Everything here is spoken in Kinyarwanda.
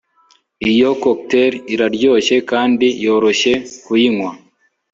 Iyo cocktail iraryoshye kandi yoroshye kuyinywa